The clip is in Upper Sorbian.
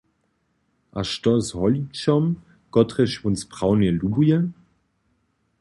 A što z holičom, kotrež wón sprawnje lubuje?